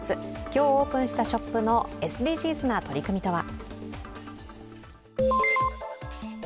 今日オープンしたショップのＳＤＧｓな取り組みとは。